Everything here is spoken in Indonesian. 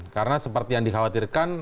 karena seperti yang dikhawatirkan